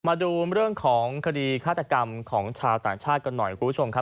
มาดูเรื่องของคดีฆาตกรรมของชาวต่างชาติกันหน่อยคุณผู้ชมครับ